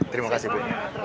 terima kasih bu